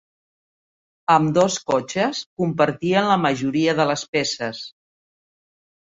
Ambdós cotxes compartien la majoria de les peces.